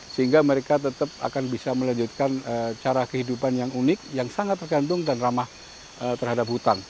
sehingga mereka tetap akan bisa melanjutkan cara kehidupan yang unik yang sangat tergantung dan ramah terhadap hutan